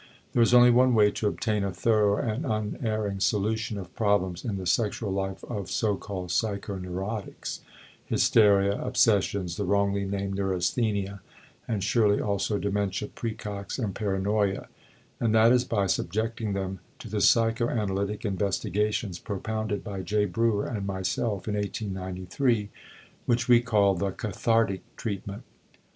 There is only one way to obtain a thorough and unerring solution of problems in the sexual life of so called psychoneurotics (hysteria, obsessions, the wrongly named neurasthenia, and surely also dementia præcox, and paranoia), and that is by subjecting them to the psychoanalytic investigations propounded by J. Breuer and myself in 1893, which we called the "cathartic" treatment.